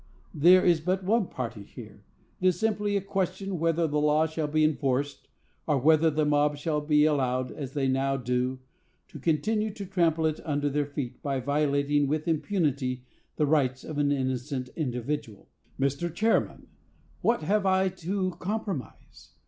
There is but one party here. It is simply a question whether the law shall be enforced, or whether the mob shall be allowed, as they now do, to continue to trample it under their feet, by violating with impunity the rights of an innocent individual. "Mr. Chairman, what have I to compromise?